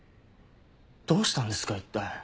どうしたんですか一体。